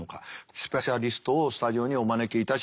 スペシャリストをスタジオにお招きいたしました。